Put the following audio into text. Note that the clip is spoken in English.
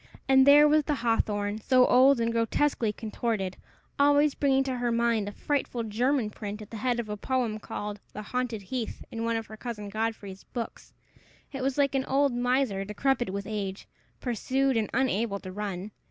And there was the hawthorn, so old and grotesquely contorted, always bringing to her mind a frightful German print at the head of a poem called "The Haunted Heath," in one of her cousin Godfrey's books! It was like an old miser, decrepit with age, pursued and unable to run!